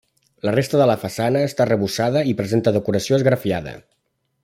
La resta de la façana està arrebossada i presenta decoració esgrafiada.